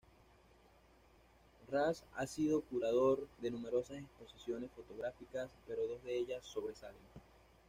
Mraz ha sido curador de numerosas exposiciones fotográficas, pero dos de ellas sobresalen.